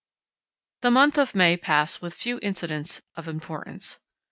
The month of May passed with few incidents of importance.